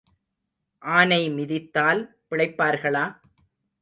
ஆனை மிதித்தால் பிழைப்பார்களா?